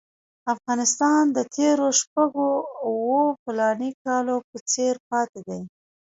افغانستان د تېرو شپږو اوو فلاني کالو په څېر پاتې دی.